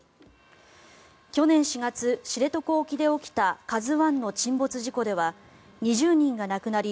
去年４月、知床沖で起きた「ＫＡＺＵ１」の沈没事故では２０人が亡くなり